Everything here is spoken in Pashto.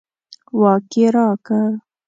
واک یې راکړ.